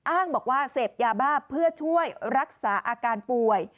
อ้างบอกว่าเสพยาบ้าเพื่อช่วยรักษาอาการป่วย